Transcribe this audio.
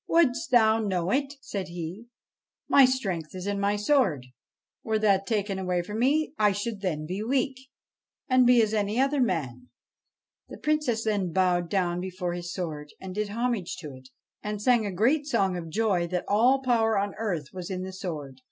' Wouldst thou know it ?' said he. ' My strength is in my sword ; were that taken from me I should then be weak, and be as another man.' The Princess then bowed down before his sword and did homage to it, and sang a great song of joy that all power on earth was in the sword.